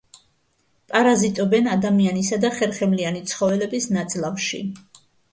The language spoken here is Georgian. პარაზიტობენ ადამიანისა და ხერხემლიანი ცხოველების ნაწლავში.